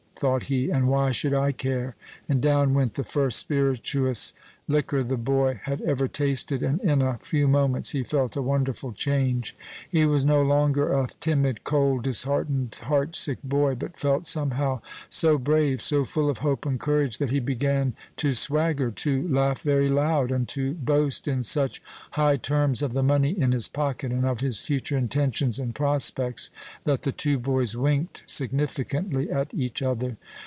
thought he, "and why should I care?" and down went the first spirituous liquor the boy had ever tasted; and in a few moments, he felt a wonderful change. He was no longer a timid, cold, disheartened, heart sick boy, but felt somehow so brave, so full of hope and courage, that he began to swagger, to laugh very loud, and to boast in such high terms of the money in his pocket, and of his future intentions and prospects, that the two boys winked significantly at each other.